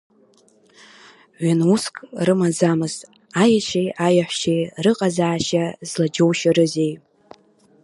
Ҩын уск рымаӡамызт, аешьеи аеҳәшьеи рыҟазаашьа злаџьоушьарызеи.